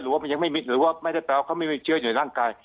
ว่ามันยังไม่มิดหรือว่าไม่ได้แปลว่าเขาไม่มีเชื้ออยู่ร่างกาย